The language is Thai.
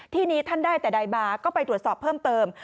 ที่นี้ท่านได้แต่ใดมาก็ไปตรวจสอบเพิ่มเติม